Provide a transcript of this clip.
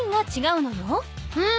うん。